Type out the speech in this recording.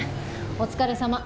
お疲れさま。